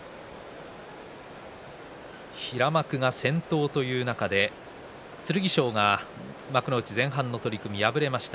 平幕が先頭という中で剣翔が幕内前半の取組敗れました。